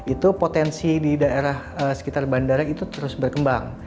itu potensi di daerah sekitar bandara itu terus berkembang